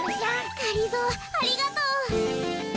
がりぞーありがとう。